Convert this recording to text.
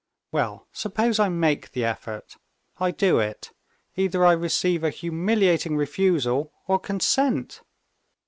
Well, suppose I make the effort; I do it. Either I receive a humiliating refusal or consent....